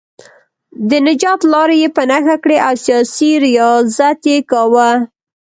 د نجات لارې یې په نښه کړې او سیاسي ریاضت یې کاوه.